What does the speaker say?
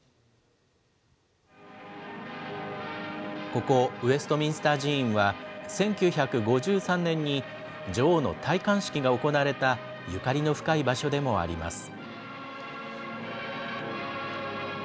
ここウェストミンスター寺院は、１９５３年に女王の戴冠式が行われたゆかりの深い場所でもあります。